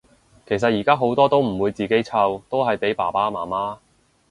其實依家好多都唔會自己湊，都係俾爸爸媽媽